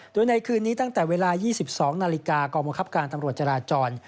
โดยในคืนนี้ตั้งแต่เวลา๒๒นาฬิกากองบังคับการตำรวจจราจร